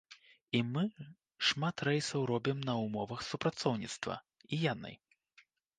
І мы шмат рэйсаў робім на ўмовах супрацоўніцтва, і яны.